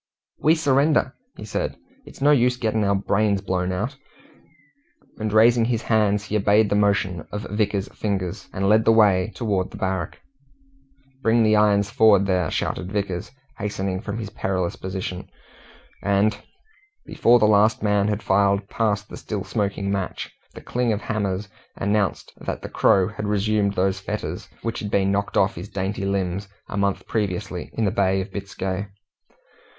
"We surrender," he said. "It's no use getting our brains blown out." And raising his hands, he obeyed the motion of Vickers's fingers, and led the way towards the barrack. "Bring the irons forward, there!" shouted Vickers, hastening from his perilous position; and before the last man had filed past the still smoking match, the cling of hammers announced that the Crow had resumed those fetters which had been knocked off his dainty limbs a month previously in the Bay of Biscay.